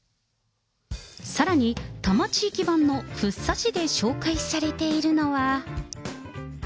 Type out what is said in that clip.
さらに、多摩地域版の福生市で紹介されているのは。